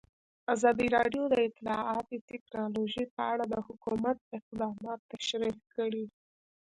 ازادي راډیو د اطلاعاتی تکنالوژي په اړه د حکومت اقدامات تشریح کړي.